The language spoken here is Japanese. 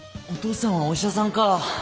お父さんはお医者さんかぁ。